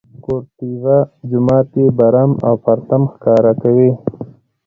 قورطیبه جومات یې برم او پرتم ښکاره کوي.